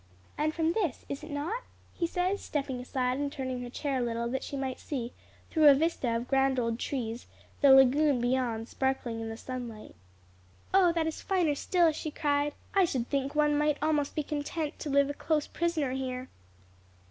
"And from this, is it not?" he said, stepping aside and turning her chair a little that she might see, through a vista of grand old trees, the lagoon beyond sparkling in the sunlight. "Oh that is finer still!" she cried. "I should think one might almost be content to live a close prisoner here."